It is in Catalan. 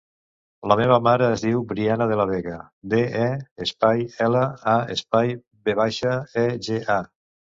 La meva mare es diu Briana De La Vega: de, e, espai, ela, a, espai, ve baixa, e, ge, a.